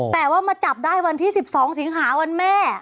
แต่ว่ามาจับได้วันที่๑๒สิงหาวันแม่